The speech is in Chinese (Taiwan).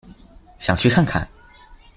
想去看看